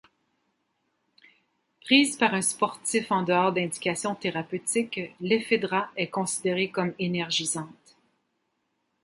Prise par un sportif en dehors d'indications thérapeutiques, l'ephedra est considérée comme énergisante.